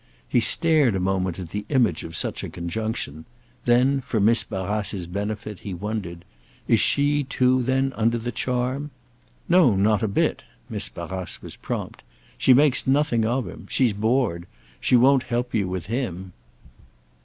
He stared a moment at the image of such a conjunction; then, for Miss Barrace's benefit, he wondered. "Is she too then under the charm—?" "No, not a bit"—Miss Barrace was prompt. "She makes nothing of him. She's bored. She won't help you with him."